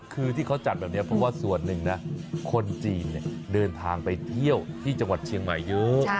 คือที่เขาจัดแบบนี้เพราะว่าส่วนหนึ่งนะคนจีนเดินทางไปเที่ยวที่จังหวัดเชียงใหม่เยอะ